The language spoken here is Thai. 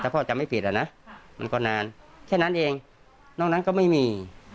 พ่อจำไม่ผิดอะนะมันก็นานแค่นั้นเองนอกนั้นก็ไม่มี